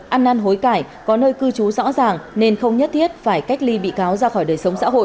ăn năn hối cải có nơi cư trú rõ ràng nên không nhất thiết phải cách ly bị cáo ra khỏi đời sống xã hội